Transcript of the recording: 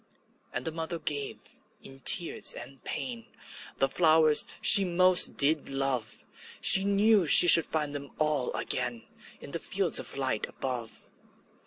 '' And the mother gave, in tears and pain, The flowers she most did love; She knew she should find them all again In the fields of light above.